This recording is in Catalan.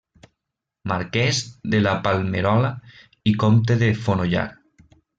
Marquès de la Palmerola i comte de Fonollar.